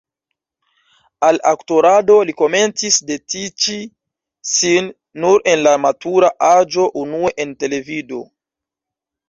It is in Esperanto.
Al aktorado li komencis dediĉi sin nur en la matura aĝo, unue en televido.